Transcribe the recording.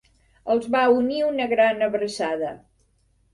Els va unir una gran abraçada.